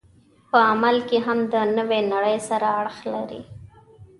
په عمل کې هم د نوې نړۍ سره اړخ لري.